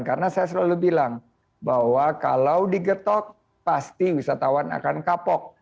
karena saya selalu bilang bahwa kalau digetok pasti wisatawan akan kapok